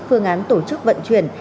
phương án tổ chức vận chuyển